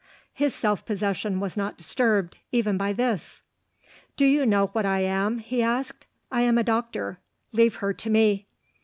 His self possession was not disturbed even by this. "Do you know what I am?" he asked. "I am a doctor. Leave her to me."